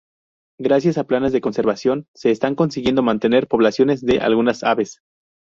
Gracias a planes de conservación se están consiguiendo mantener poblaciones de algunas aves.